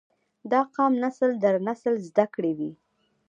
دا قام نسل در نسل زده کړي وي